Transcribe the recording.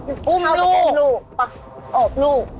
ก็คืออุ้มลูกประโบบลูก